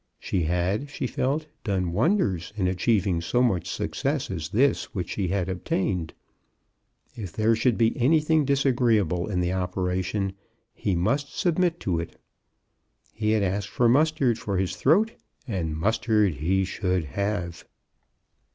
She had, she felt, done wonders in achieving so much success as this which she had obtained. If there should be anything disagreeable in the operation, he must submit to it. He had asked for mustard for his throat, and mustard he should have.